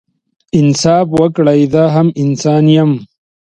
انصاف وکړئ زه هم انسان يم